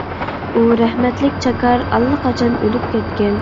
ئۇ رەھمەتلىك چاكار ئاللىقاچان ئۆلۈپ كەتكەن.